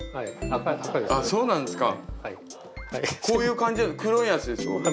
こういう感じの黒いやつでしょ？